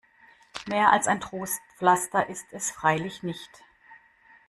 Mehr als ein Trostpflaster ist es freilich nicht.